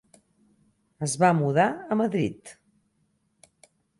Es va mudar a Madrid.